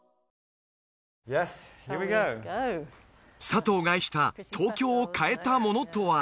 サトウが愛した東京を変えたものとは？